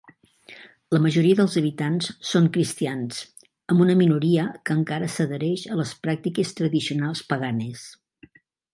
La majoria dels habitants són cristians, amb una minoria que encara s'adhereix a les pràctiques tradicionals paganes.